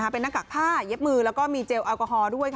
เป็นหน้ากากผ้าเย็บมือแล้วก็มีเจลแอลกอฮอลด้วย